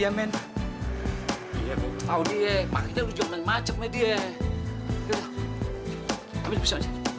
ya segitu gak tahu dah